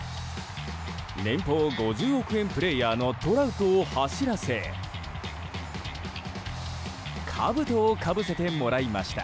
年俸５０億円プレーヤーのトラウトを走らせかぶとをかぶせてもらいました。